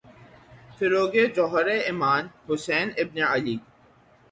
فروغِ جوہرِ ایماں، حسین ابنِ علی